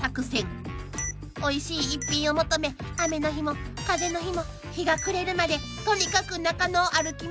［おいしい逸品を求め雨の日も風の日も日が暮れるまでとにかく中野を歩き回る］